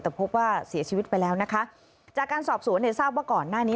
แต่พบว่าเสียชีวิตไปแล้วนะคะจากการสอบสวนเนี่ยทราบว่าก่อนหน้านี้